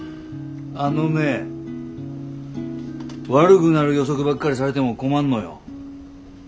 あのね悪ぐなる予測ばっかりされでも困んのよ。